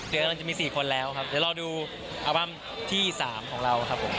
เดี๋ยวกำลังจะมี๔คนแล้วครับเดี๋ยวเราดูอัลบั้มที่๓ของเราครับผม